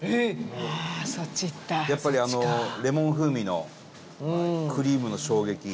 伊達：やっぱり、あのレモン風味のクリームの衝撃。